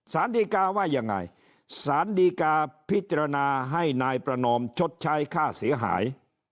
สารดีกาว่ายังไงสารดีกาพิจารณาให้นายประนอมชดใช้ค่าเสียหาย